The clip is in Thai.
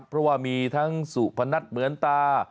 เพราะว่ามีทั้งสุพนัทเหมือนตา